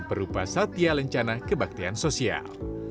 berupa satya lencana kebaktian sosial